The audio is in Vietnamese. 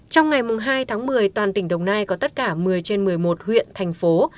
trong ngày hai tháng một mươi toàn tỉnh đồng nai có tất cả một mươi trên một mươi một huyện thành phố